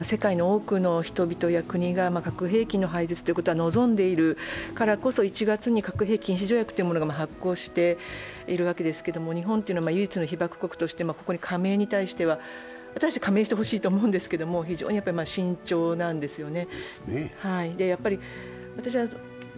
世界の多くの人々や国が核兵器の廃絶ということは望んでいるからこそ１月に核兵器禁止条約というものが発効しているわけですけれども、日本というのは唯一の被爆国として、ここへ加盟に対しては加盟してほしいと思うんですが、非常に慎重なんですね。